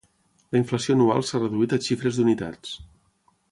La inflació anual s'ha reduït a xifres d'unitats.